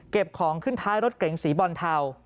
เก็บของขึ้นท้ายรถเกรงสีบอนเทา